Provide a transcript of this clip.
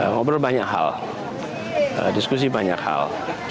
ngobrol banyak hal diskusi banyak hal